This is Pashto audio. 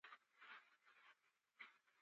خور د زړه سوانده ده.